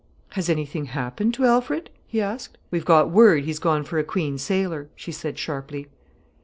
"Has anything happened to Alfred?" he asked. "We've got word he's gone for a Queen's sailor," she said sharply.